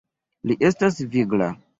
Li estas vigla.